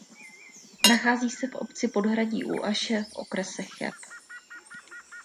Nachází se v obci Podhradí u Aše v okrese Cheb.